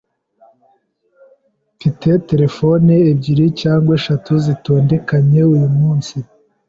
[S] Mfite Terefone ebyiri cyangwa eshatu zitondekanye uyu munsi.